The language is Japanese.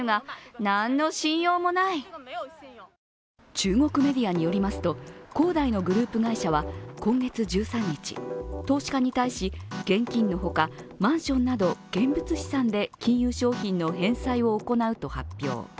中国メディアによりますと、恒大のグループ会社は今月１３日、投資家に対し現金のほか、マンションなど現物資産で金融商品の返済を行うと発表。